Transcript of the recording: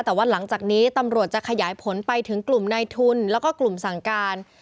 แต่ว่าหลังจากนี้ตำรวจจะขยายผลไปถึงกลุ่มในทุนแล้วก็กลุ่มสั่งการ